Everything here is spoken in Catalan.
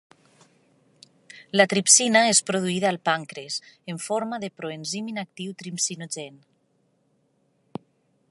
La tripsina és produïda al pàncrees en forma del proenzim inactiu tripsinogen.